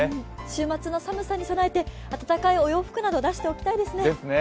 週末の寒さに備えて暖かいお洋服など出しておきたいですね。